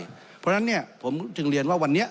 เพราะฉะนั้นผมจึงเรียนว่าวันนี้